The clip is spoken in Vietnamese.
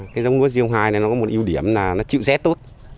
cái giống lúa g hai này nó có một ưu điểm là nó chịu rét tốt